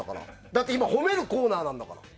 だって今褒めるコーナーなんだから。